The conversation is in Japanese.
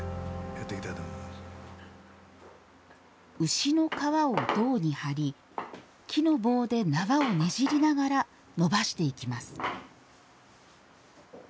牛の革を胴に張り木の棒で縄をねじりながら伸ばしていきます。